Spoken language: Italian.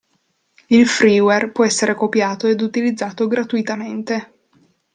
Il freeware può essere copiato ed utilizzato gratuitamente.